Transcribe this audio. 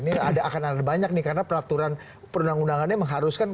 ini akan ada banyak nih karena peraturan perundang undangannya mengharuskan